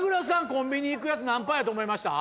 コンビニ行くやつ何％やと思いました？